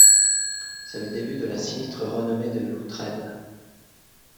C'est le début de la sinistre renommée de Loutrel.